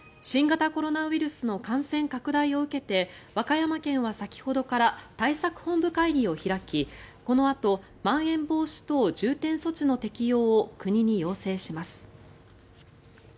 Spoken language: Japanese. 新型コロナウイルスの感染拡大を受けて和歌山県は先ほどから対策本部会議を開きこのあとまん延防止等重点措置の適用を国に要請します。